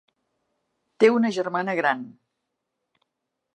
Té una germana gran.